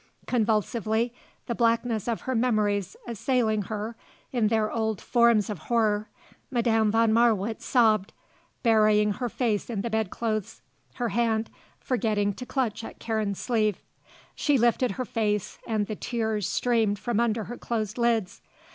Convulsively, the blackness of her memories assailing her in their old forms of horror, Madame von Marwitz sobbed, burying her face in the bed clothes, her hand forgetting to clutch at Karen's sleeve. She lifted her face and the tears streamed from under her closed lids.